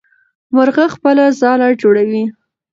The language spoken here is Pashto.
مرغه خپله ځاله جوړوي.